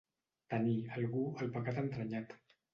Tenir, algú, el pecat entranyat.